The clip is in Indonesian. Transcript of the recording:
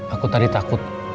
aku tadi takut